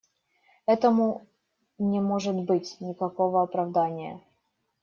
Этому не может быть никакого оправдания.